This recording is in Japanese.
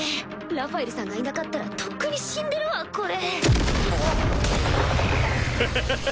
ラファエルさんがいなかったらとっくに死んでるわこれフハハハ！